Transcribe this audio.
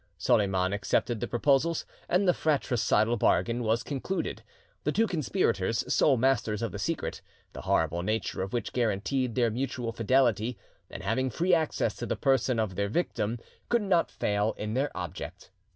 Soliman accepted the proposals, and the fratricidal bargain was concluded. The two conspirators, sole masters of the secret, the horrible nature of which guaranteed their mutual fidelity, and having free access to the person of their victim; could not fail in their object.